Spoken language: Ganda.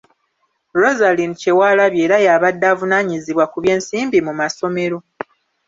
Rosalind Kyewalabye era y'abadde avunaanyizibwa ku by'ensimbi mu masomero.